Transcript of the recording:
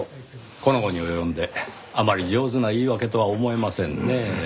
この期に及んであまり上手な言い訳とは思えませんねぇ。